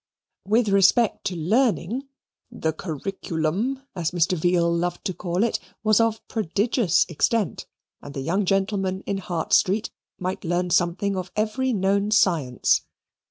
With respect to learning, "the Curriculum," as Mr. Veal loved to call it, was of prodigious extent, and the young gentlemen in Hart Street might learn a something of every known science.